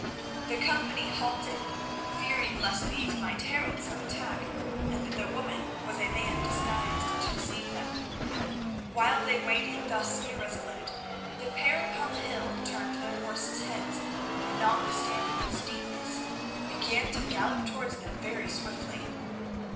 The company halted, fearing lest these might herald some attack and that the woman was a man disguised to deceive them. While they waited thus irresolute, the pair upon the hill turned their horses' heads, and notwithstanding its steepness, began to gallop towards them very swiftly.